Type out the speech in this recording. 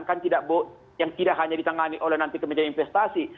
kan yang tidak hanya ditangani oleh nanti kementerian investasi